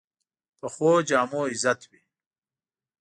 پخو جامو عزت وي